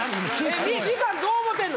みかんどう思ってんの？